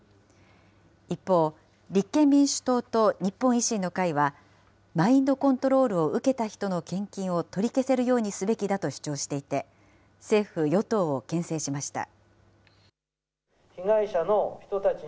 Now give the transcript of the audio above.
一方、立憲民主党と日本維新の会は、マインドコントロールを受けた人の献金を取り消せるようにすべきだと主張していて、政府・与党をけん制しました。